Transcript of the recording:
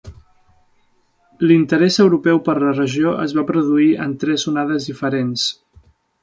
L'interès europeu per la regió es va produir en tres onades diferents.